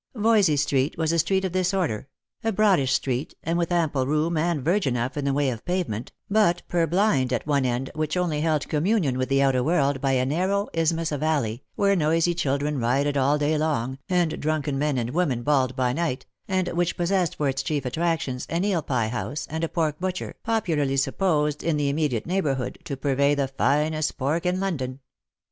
Voysey street was a street of this order ; a broadish street, and with ample room and verge enough in the way of pave ment, but purblind at one end, which only held communion with the outer world by a narrow isthmus of alley, where noisy chil dren rioted all day long, and drunken men and women bawled by night, and which possessed for its chief attractions an eel pie house, and a pork butcher, popularly supposed, in the im mediate neighbourhood, to purvey the finest pork in London.